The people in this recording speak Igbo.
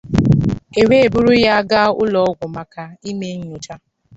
e wee buru ya gaa ụlọọgwụ maka ime nnyocha.